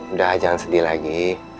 udah jangan sedih lagi